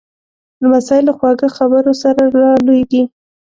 لمسی له خواږه خبرو سره را لویېږي.